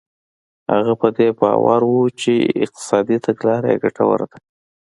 هغه په دې باور و چې اقتصادي تګلاره یې ګټوره ده.